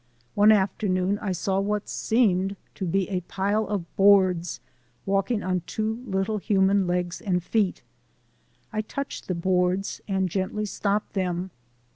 One afternoon I saw what seemed to be a pile of boards walking on two little human legs and feet. I touched the boards and gently stopped them.